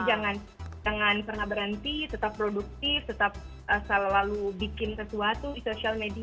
jadi jangan pernah berhenti tetap produktif tetap selalu bikin sesuatu di social media